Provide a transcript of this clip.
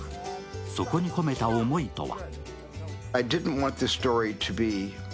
そこに込めた思いとは？